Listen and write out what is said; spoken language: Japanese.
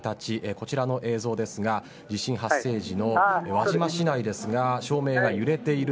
こちらの映像ですが地震発生時の輪島市内ですが照明が揺れている。